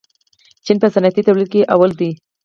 چین په صنعتي تولید کې لومړی دی.